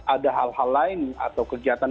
ada hal hal lain atau kegiatan